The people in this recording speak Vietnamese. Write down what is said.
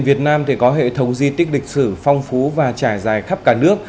việt nam có hệ thống di tích lịch sử phong phú và trải dài khắp cả nước